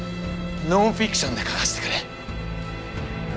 ノンフィクションで書かせてくれ。